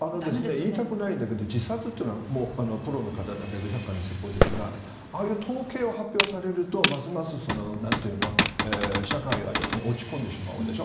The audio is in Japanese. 言いたくないんだけど自殺というのは釈迦に説法ですがああいう統計を発表されると社会は落ち込んでしまうでしょ。